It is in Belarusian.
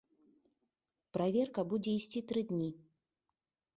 Праверка будзе ісці тры дні.